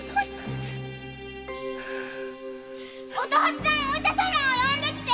お父ちゃんお医者様を呼んできて！